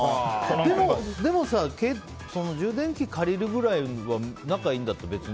でも、充電器を借りるぐらい仲、いいんだったら別に。